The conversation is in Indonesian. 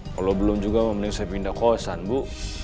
kalau belum juga mungkin saya pindah kosan bu